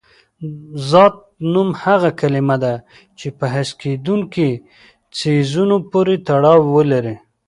ذات نوم هغه کلمه ده چې په حس کېدونکي څیزونو پورې تړاو ولري.